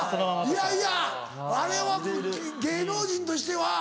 いやいやあれは芸能人としては。